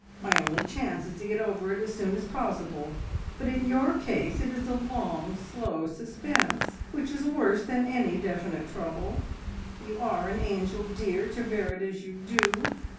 My only chance is to get it over as soon as possible, but in your case it is a long slow suspense, which is worse than any definite trouble. You are an angel, dear, to bear it as you do!